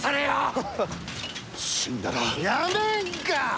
やめんか！